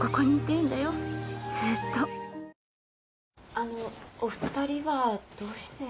あのお二人はどうして。